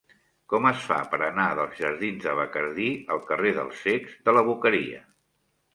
Com es fa per anar dels jardins de Bacardí al carrer dels Cecs de la Boqueria?